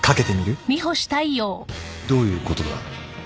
どういうことだ？